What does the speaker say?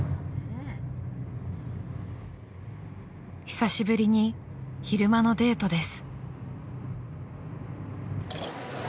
［久しぶりに昼間のデートです］